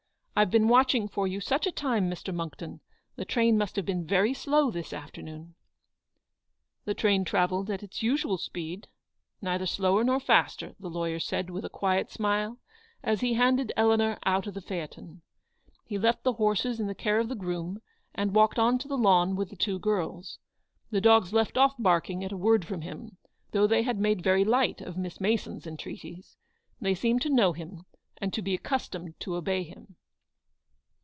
I've been watching for you such a time, Mr. Monckton. The train must have been very slow this after noon !"" The train travelled at its usual speed, neither 252 eleanoe's victory. slower nor faster/' the lawyer said, with a quiet smile, as he handed Eleanor ont of the phaeton. He left the horses in the care of the groom, and walked on to the lawn with the two girls. The dogs left off barking at a word from him, though they had made very light of Miss Mason's en treaties. They seemed to know him, and to be accustomed to obey him.